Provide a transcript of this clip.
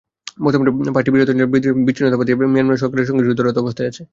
বর্তমানে পাঁচটি বৃহৎ অঞ্চলে বিদ্রোহী বিচ্ছিন্নতাবাদীরা মিয়ানমার সরকারের সঙ্গে যুদ্ধরত অবস্থায় রয়েছে।